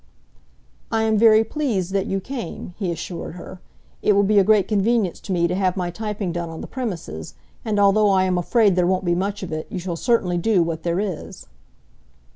"I am very pleased that you came," he assured her. "It will be a great convenience to me to have my typing done on the premises, and although I am afraid there won't be much of it, you shall certainly do what there is."